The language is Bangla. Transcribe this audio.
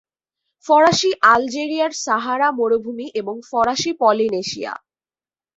ফরাসি আলজেরিয়ার সাহারা মরুভূমি এবং ফরাসি পলিনেশিয়া।